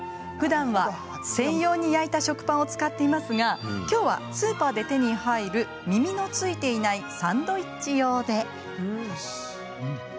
ふだんは専用に焼いた食パンを使っていますが今日はスーパーで手に入る耳のついていないサンドイッチ用で。